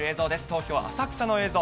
東京・浅草の映像。